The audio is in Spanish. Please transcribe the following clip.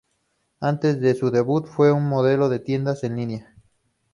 Antes de su debut, fue una modelo de tiendas en línea.